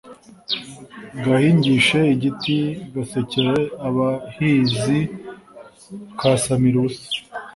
gahingishe • igiti; gasekere abiìhizi; kasamire ubusa,